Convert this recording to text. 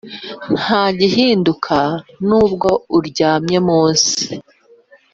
nta gihinduka nubwo uryamye munsi